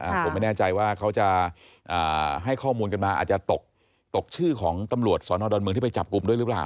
ผมไม่แน่ใจว่าเขาจะให้ข้อมูลกันมาอาจจะตกตกชื่อของตำรวจสอนอดอนเมืองที่ไปจับกลุ่มด้วยหรือเปล่า